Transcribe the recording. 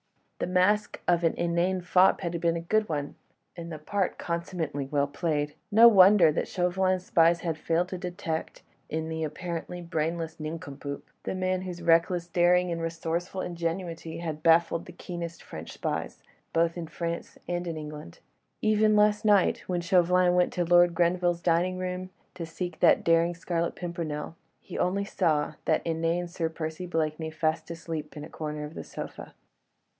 The mask of the inane fop had been a good one, and the part consummately well played. No wonder that Chauvelin's spies had failed to detect, in the apparently brainless nincompoop, the man whose reckless daring and resourceful ingenuity had baffled the keenest French spies, both in France and in England. Even last night when Chauvelin went to Lord Grenville's dining room to seek that daring Scarlet Pimpernel, he only saw that inane Sir Percy Blakeney fast asleep in a corner of the sofa.